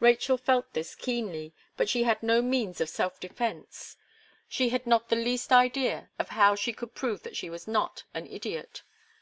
Rachel felt this keenly; but she had no means of self defence. She had not the least idea of how she could prove that she was not an idiot.